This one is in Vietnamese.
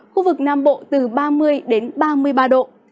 khu vực nam bộ từ ba mươi đến ba mươi ba độ